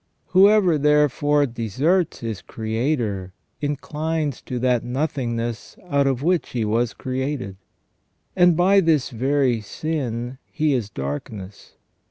Whoever, therefore, deserts his Creator inclines to that nothingness out of which he was created, and by this very sin he is darkness.